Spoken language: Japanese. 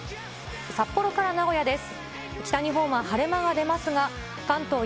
札幌から名古屋です。